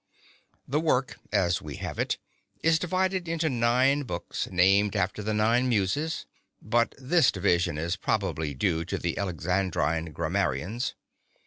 The work, as we have it, is divided into nine books, named after the nine Muses, but this division is probably due to the Alexandrine grammarians.